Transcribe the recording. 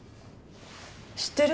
知ってる？